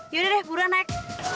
yaudah deh buruan naik